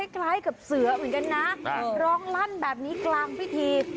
คล้ายกับเสือเหมือนกันนะร้องลั่นแบบนี้กลางพิธี